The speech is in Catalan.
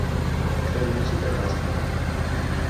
Fer-li un xiquet mascle.